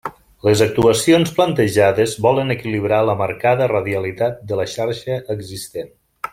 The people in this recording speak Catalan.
Les actuacions plantejades volen equilibrar la marcada radialitat de la xarxa existent.